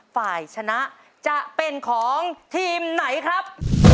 ฝ่ายชนะจะเป็นของทีมไหนครับ